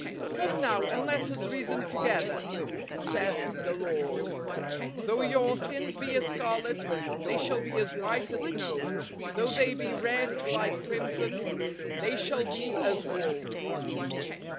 " Come now, and let us reason together, saith the Lord: though your sins be as scarlet, they shall be as white as snow; though they be red like crimson, they shall be as wool."